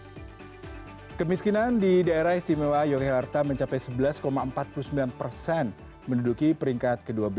hai kemiskinan di daerah istimewa yogyakarta mencapai sebelas empat puluh sembilan persen menduduki peringkat ke dua belas